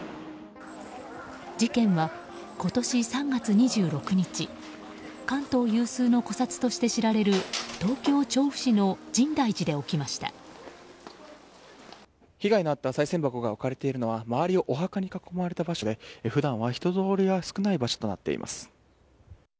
事件は今年３月２６日関東有数の古刹として知られる東京・調布市の被害のあったさい銭箱が置かれているのは周りをお墓に囲まれた場所で普段は人通りが少ない場所となっています。